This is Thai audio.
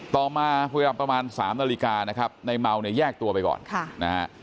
ต่อมาประมาณ๓นาฬิกานะครับนายเมาเนี่ยแยกตัวไปก่อน